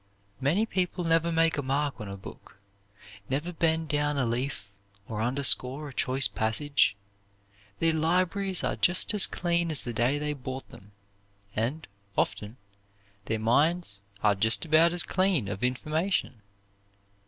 Many people never make a mark on a book, never bend down a leaf, or underscore a choice passage. Their libraries are just as clean as the day they bought them, and, often, their minds are just about as clean of information.